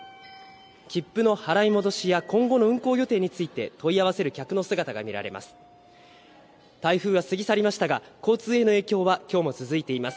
切符の払い戻しや、今後の運行予定について問い合わせる客の姿が見られます。